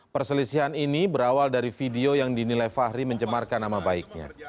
perselisihan ini berawal dari video yang dinilai fahri mencemarkan nama baiknya